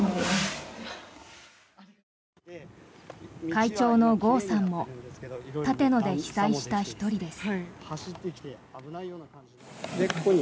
会長の郷さんも立野で被災した１人です。